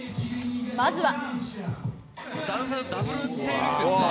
まずは。